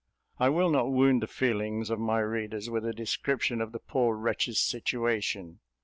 I will not wound the feelings of my readers with a description of the poor wretch's situation.